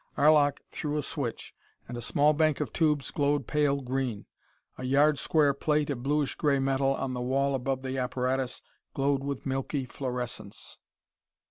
Arlok threw a switch, and a small bank of tubes glowed pale green. A yard square plate of bluish gray metal on the wall above the apparatus glowed with milky fluorescence.